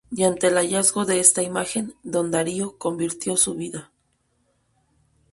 Y ante el hallazgo de esta Imagen, Don Darío, convirtió su vida.